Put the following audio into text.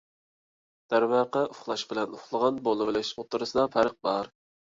دەرۋەقە، ئۇخلاش بىلەن ئۇخلىغان بولۇۋېلىش ئوتتۇرىسىدا پەرق بار.